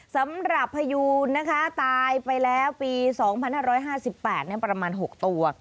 พายูนนะคะตายไปแล้วปี๒๕๕๘ประมาณ๖ตัว